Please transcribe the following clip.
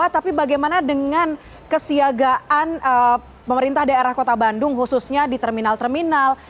tapi bagaimana dengan kesiagaan pemerintah daerah kota bandung khususnya di terminal terminal